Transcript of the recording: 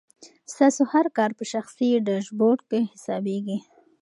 ستاسو هر کار په شخصي ډیشبورډ کې حسابېږي.